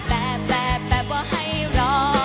แบบแบบแบบว่าให้รอ